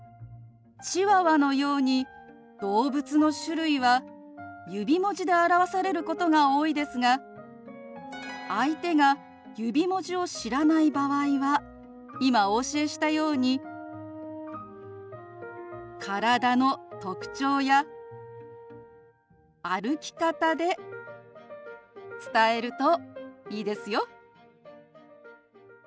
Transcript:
チワワのように動物の種類は指文字で表されることが多いですが相手が指文字を知らない場合は今お教えしたように体の特徴や歩き方で伝えるといいですよ。